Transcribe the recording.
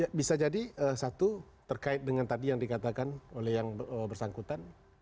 ya bisa jadi satu terkait dengan tadi yang dikatakan oleh yang bersangkutan